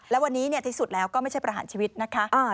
และวันนี้ที่สุดแล้วก็ไม่ใช่ประหารชีวิตนะคะ